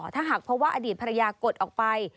ถ้าหากเพราะว่าอดีตภรรยากดออกไป